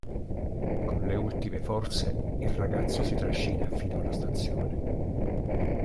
Con le ultime forze, il ragazzo si trascina fino alla stazione.